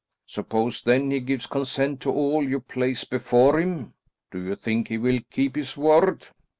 Suppose then, he gives consent to all you place before him? Do you think he will keep his word?"